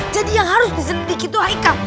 jadi yang harus disedihi itu haikal